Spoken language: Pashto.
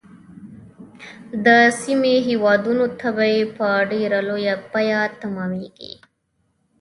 د سیمې هیوادونو ته به په ډیره لویه بیعه تمامیږي.